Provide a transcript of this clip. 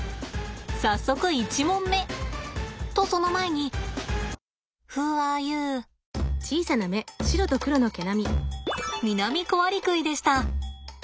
早速１問目！とその前にミナミコアリクイでした。